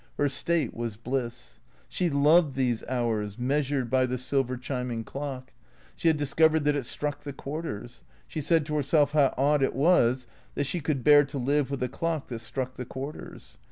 Her state was bliss. She loved these hours, measured by the silver chiming clock. She had discovered that it struck the quarters. She said to herself how odd it was that she could bear to live with a clock that struck the quarters.